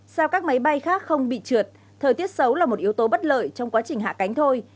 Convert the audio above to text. sao các máy bay khác không bị trượt thời tiết xấu là một yếu tố bất lợi trong quá trình hạ cánh thôi